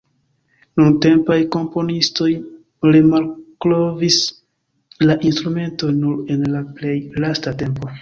Nuntempaj komponistoj remalkovris la instrumenton nur en plej lasta tempo.